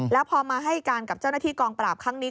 แล้วพอมาให้การกับเจ้าหน้าที่กองปราบครั้งนี้